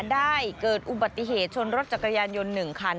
ได้เกิดอุบัติเหตุชนรถจักรยานยนต์๑คัน